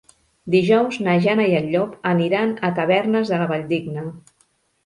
Dijous na Jana i en Llop aniran a Tavernes de la Valldigna.